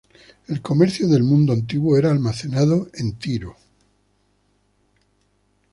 El comercio del mundo antiguo era almacenado en Tiro.